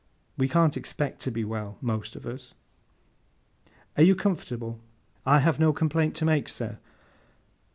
'We can't expect to be well, most of us.' 'Are you comfortable?' 'I have no complaint to make, sir.